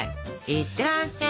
いってらっしゃい。